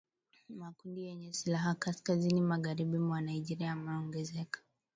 Makundi yenye silaha kaskazini magharibi mwa Nigeria yameongezeka